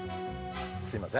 すいません。